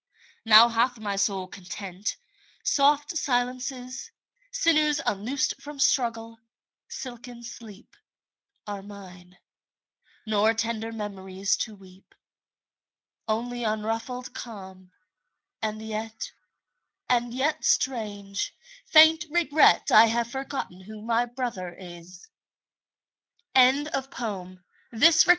Now hath my soul content. Soft silences, Sinews unloosed from struggle, silken sleep, 27 Are mine; nor tender memories to weep. Only unruffled calm; and yet — and yet — Strange, faint regret — I have forgotten who my brother is! — Helen Coale Crew.